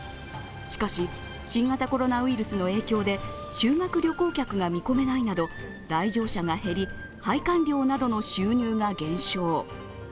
しかし、新型コロナウイルスの影響で修学旅行客が見込めないなど来場者が減り、拝観料などの収入が減少。